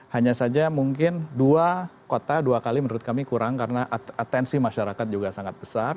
hanya saja mungkin dua kota dua kali menurut kami kurang karena atensi masyarakat juga sangat besar